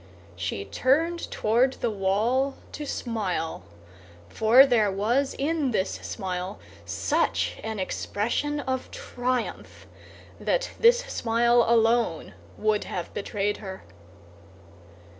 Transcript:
She turned toward the wall to smile—for there was in this smile such an expression of triumph that this smile alone would have betrayed her.